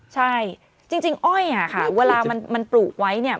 ใช่จริงอ้อยอ่ะค่ะเวลามันปลูกไว้เนี่ย